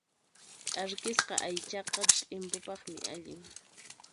Ch'arkisqa aychaqa t'impupaqmi allin.